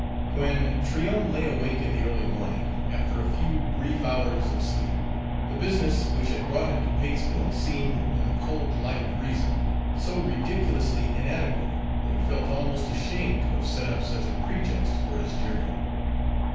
When Tryon lay awake in the early morning, after a few brief hours of sleep, the business which had brought him to Patesville seemed, in the cold light of reason, so ridiculously inadequate that he felt almost ashamed to have set up such a pretext for his journey.